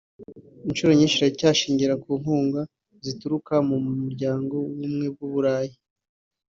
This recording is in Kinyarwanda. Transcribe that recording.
inshuro nyinshi iracyashingira ku nkunga zituruka mu Muryango w’Ubumwe bw’u Burayi